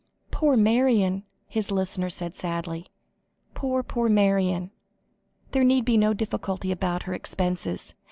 "Poor Marion," his listener said sadly. "Poor, poor Marion. There need be no difficulty about her expenses.